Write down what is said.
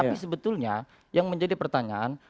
dan kebetulnya yang menjadi pertanyaan